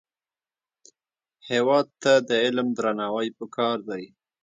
هېواد ته د علم درناوی پکار دی